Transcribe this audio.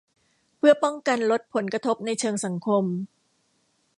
เพื่อป้องกันลดผลกระทบในเชิงสังคม